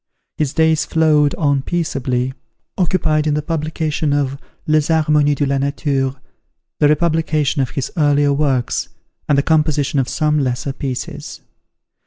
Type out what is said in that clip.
His days flowed on peaceably, occupied in the publication of "Les Harmonies de la Nature," the republication of his earlier works, and the composition of some lesser pieces.